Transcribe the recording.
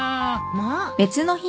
まあ。